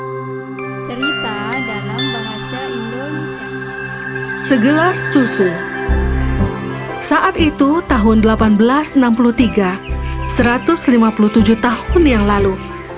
hai cerita dalam bahasa indonesia segelas susu saat itu tahun seribu delapan ratus enam puluh tiga satu ratus lima puluh tujuh tahun yang lalu